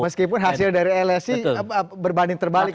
meskipun hasil dari lsi berbanding terbalik